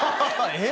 えっ！？